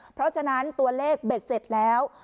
เพราะฉะนั้นตัวเลขเบ็ดเสร็จแล้ว